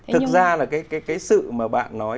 thực ra là cái sự mà bạn nói